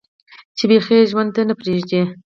چې بيخي ئې ژوند ته نۀ پرېږدي